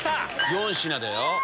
４品だよ。